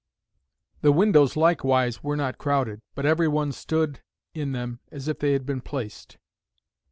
The windows likewise were not crowded, but every one stood in them as if they had been placed.